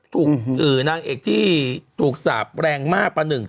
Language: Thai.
ถูกนางเอกที่ถูกสาปแรงมากปะหนึ่ง